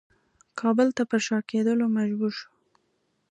کابل ته پر شا کېدلو مجبور شو.